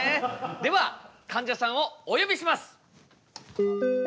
ではかんじゃさんをお呼びします！